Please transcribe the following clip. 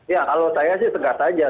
ya kalau saya sih tegak saja